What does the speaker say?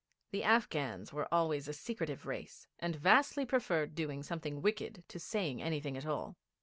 The Afghans were always a secretive race, and vastly preferred doing something wicked to saying anything at all.